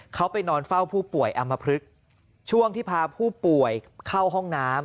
เขาไปนอนเฝ้าผู้ป่วยอำมพลึกช่วงที่พาผู้ป่วยเข้าห้องน้ำ